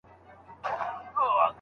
پدې يوازي عالمان پوره پوهيږي.